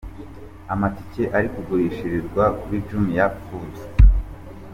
Amatike ari kugurishirizwa kuri Jumia food.